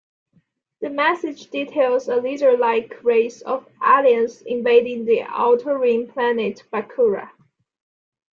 The message details a lizardlike race of aliens invading the Outer Rim planet Bakura.